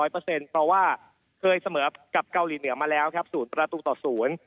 เพราะว่าเคยเสมอกับเกาหลีเหนือมาแล้วทุกตราตูต่อศูนย์